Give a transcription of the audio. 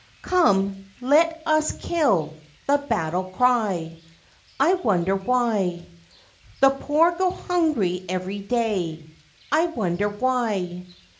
"Come let us kill," the battle cry, I wonder why! The poor go hungry every day, I wonder why!